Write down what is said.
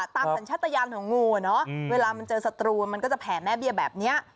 สัญชาติยานของงูอ่ะเนอะเวลามันเจอศัตรูมันก็จะแผ่แม่เบี้ยแบบนี้